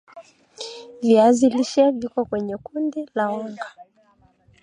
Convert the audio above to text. viazi lishe viko kwenye kundi la wanga